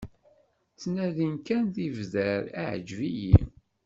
Ttnadin kan tibdar "iɛǧeb-iyi".